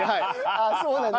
ああそうなんだ。